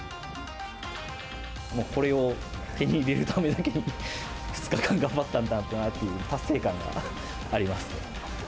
これを手に入れるためだけに、２日間頑張ったんだなっていう達成感がありますね。